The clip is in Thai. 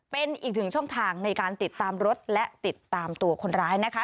เป็นอีกหนึ่งช่องทางในการติดตามรถและติดตามตัวคนร้ายนะคะ